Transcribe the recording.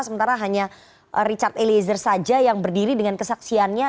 sementara hanya richard eliezer saja yang berdiri dengan kesaksiannya